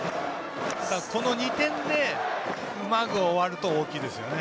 この２点でうまく終わると大きいですね。